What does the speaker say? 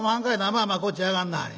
まあまあこっち上がんなはれ。